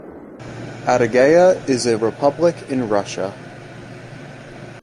Adygea is a republic in Russia.